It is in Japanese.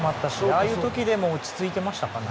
ああいう時でも落ち着いてましたか。